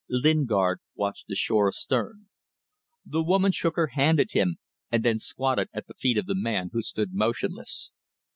Lingard watched the shore astern. The woman shook her hand at him, and then squatted at the feet of the man who stood motionless.